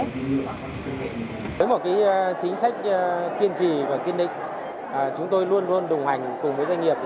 với một chính sách kiên trì và kiên định chúng tôi luôn luôn đồng hành cùng với doanh nghiệp